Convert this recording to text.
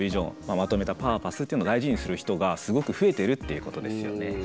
まとめたパーパスっていうのを大事にする人がすごく増えてるっていうことですよね。